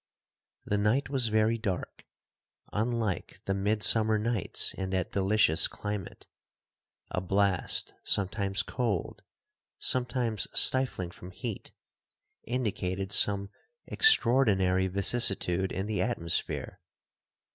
'The night was very dark,—unlike the midsummer nights in that delicious climate. A blast sometimes cold, sometimes stifling from heat, indicated some extraordinary vicissitude in the atmosphere.